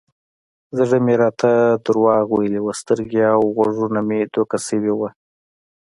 زړه مې راته دروغ ويلي و سترګې او غوږونه مې دوکه سوي وو.